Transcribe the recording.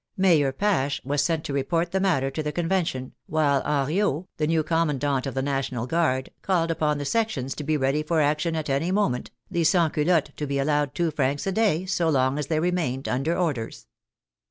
Mayor Pache was sent to report the matter to the Convention, while Henriot, the new commandant of the National Guard, called upon the sections to be ready for action at any moment, the sansculottes to be allowed two francs a day so long as they remained under orders.